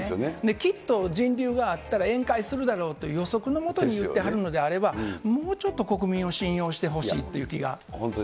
きっと人流があったら、宴会するだろうと予測のもとに言ってはるのであれば、もうちょっと国民を信用してほしいという気が。